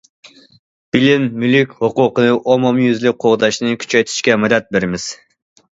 بىلىم مۈلۈك ھوقۇقىنى ئومۇميۈزلۈك قوغداشنى كۈچەيتىشكە مەدەت بېرىمىز.